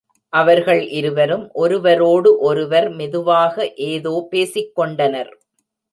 அவர்கள் இருவரும் ஒருவரோடு ஒருவர் மெதுவாக ஏதோ பேசிக்கொாண்டனர்.